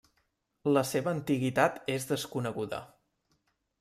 La seva antiguitat és desconeguda.